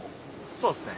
そうですね。